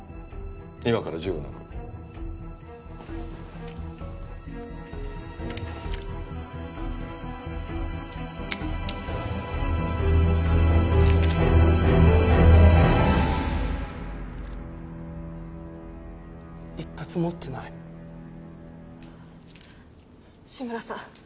今から銃を抜く１発も撃ってない志村さん